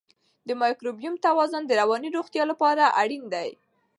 د مایکروبیوم توازن د رواني روغتیا لپاره اړین دی.